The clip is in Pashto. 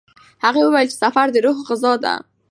هغه وویل چې سفر د روح غذا ده.